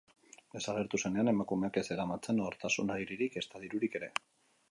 Desagertu zenean, emakumeak ez zeramatzan nortasun agiririk ezta dirurik ere.